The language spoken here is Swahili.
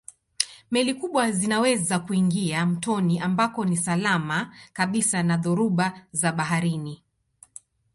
Meli kubwa zinaweza kuingia mtoni ambako ni salama kabisa na dhoruba za baharini.